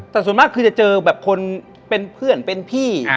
แต่ส่วนมากคือจะเจอแบบคนเป็นเพื่อนเป็นพี่